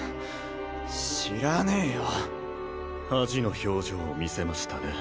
知らねえよ恥の表情を見せましたね